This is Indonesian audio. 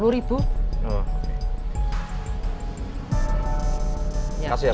terima kasih ya pak